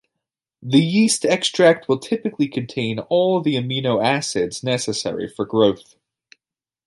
The yeast extract will typically contain all the amino acids necessary for growth.